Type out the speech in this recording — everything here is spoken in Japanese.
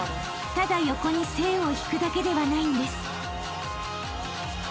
ただ横に線を引くだけではないんです］